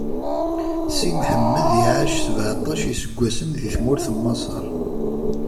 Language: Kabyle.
Si Mḥemmed iɛac sbeɛṭac n iseggasen di tmurt n Maṣer.